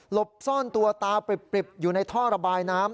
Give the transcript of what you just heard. บซ่อนตัวตาปริบอยู่ในท่อระบายน้ำ